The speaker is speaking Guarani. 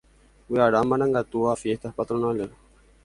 Vyʼarã marangatúva fiestas patronales.